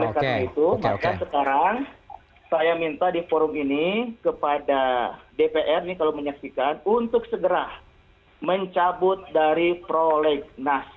oleh karena itu maka sekarang saya minta di forum ini kepada dpr ini kalau menyaksikan untuk segera mencabut dari prolegnas